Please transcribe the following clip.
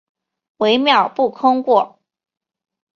分秒不空过